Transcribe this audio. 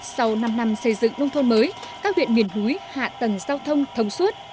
sau năm năm xây dựng nông thôn mới các huyện miền núi hạ tầng giao thông thông suốt